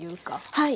はい。